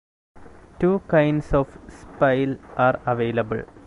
Two kinds of spile are available.